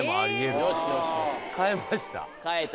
変えました。